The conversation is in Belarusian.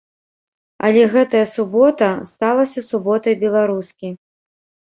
Але гэтая субота сталася суботай беларускі.